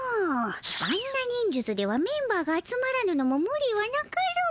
あんなニンジュツではメンバーが集まらぬのもムリはなかろう。